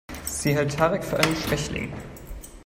Sie hält Tarek für einen Schwächling.